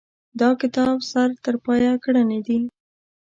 دا کتاب سر ترپایه ګړنې دي.